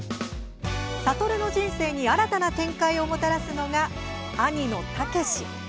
諭の人生に新たな展開をもたらすのが兄の武志。